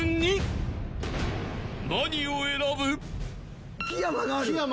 ［何を選ぶ？］